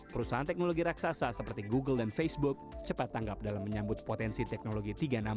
perusahaan teknologi raksasa seperti google dan facebook cepat tanggap dalam menyambut potensi teknologi tiga ratus enam puluh